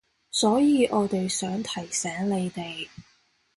所以我哋想提醒你哋